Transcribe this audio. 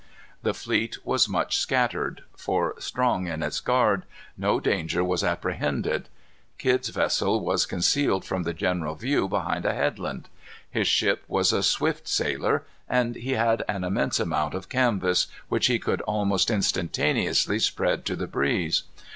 The fleet was much scattered; for, strong in its guard, no danger was apprehended. Kidd's vessel was concealed from the general view behind a headland. His ship was a swift sailer, and he had an immense amount of canvas, which he could almost instantaneously spread to the breeze.